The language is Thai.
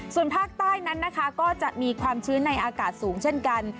ส่วนภาคใต้นั้นนะคะก็จะมีความชื้นในอากาศสูงเช่นกัน